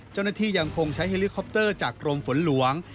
เจ้าหน้าที่ยังคงใช้เฮลิคอปเตอร์จากกรมฝนหลวง